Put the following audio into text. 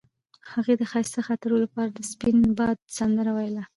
هغې د ښایسته خاطرو لپاره د سپین باد سندره ویله.